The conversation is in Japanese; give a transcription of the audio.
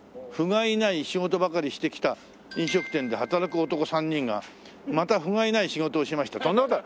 「不甲斐ない仕事ばかりしてきた飲食店で働く男３人」がまた不甲斐ない仕事をしました。